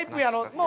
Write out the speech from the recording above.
もう。